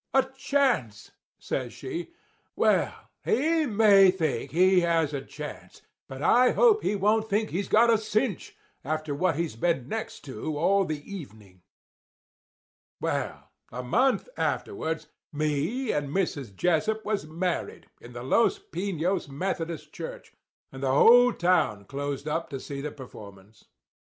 "'A chance!' says she. 'Well, he may think he has a chance; but I hope he won't think he's got a cinch, after what he's been next to all the evening.' "Well, a month afterwards me and Mrs. Jessup was married in the Los Piños Methodist Church; and the whole town closed up to see the performance.